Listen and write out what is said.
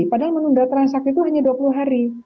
padahal menunda transaksi itu hanya dua puluh hari